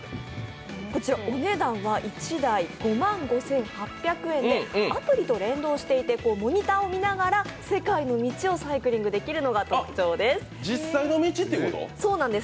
こちらお値段は１台５万５８００円でアプリと連動していてモニターを見ながらサイクリングできるのが特徴です。